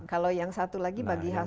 kalau yang satu lagi bagi hasil